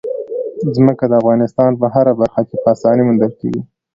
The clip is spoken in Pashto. ځمکه د افغانستان په هره برخه کې په اسانۍ موندل کېږي.